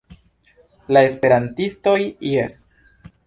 La esperantistoj jes.